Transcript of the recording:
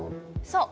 そう。